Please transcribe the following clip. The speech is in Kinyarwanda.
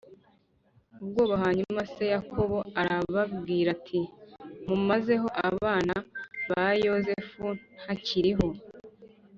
Ubwoba hanyuma se yakobo arababwira ati mumazeho abana b yozefu ntakiriho